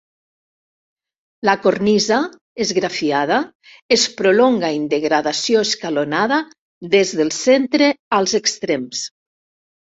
La cornisa, esgrafiada, es prolonga en degradació escalonada des del centre als extrems.